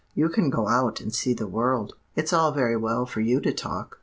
You can go out and see the world. It's all very well for you to talk.